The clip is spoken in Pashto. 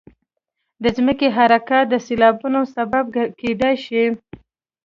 د ځمکې حرکات د سیلابونو سبب کېدای شي.